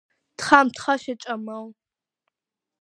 თხა თხამ შეჭამაო